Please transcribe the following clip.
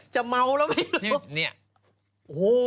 จะเมาแล้วไม่รู้